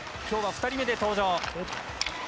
きょうは２人目で登場。